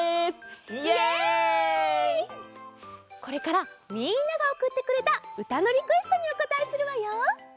これからみんながおくってくれたうたのリクエストにおこたえするわよ。